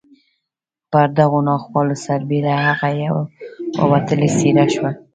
پر دغو ناخوالو سربېره هغه یوه وتلې څېره شوه